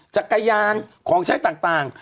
จักรยานของใช้ต่าง